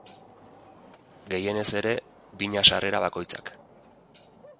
Gehienez ere, bina sarrera bakoitzak.